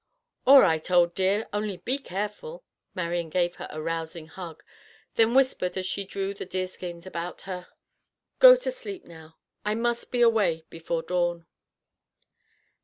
"All right, old dear; only be careful." Marian gave her a rousing hug, then whispered as she drew the deerskins about her: "Go to sleep now. I must be away before dawn."